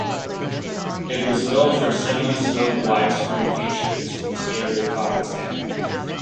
It was built for Cinemascope widescreen features with stereophonic sound.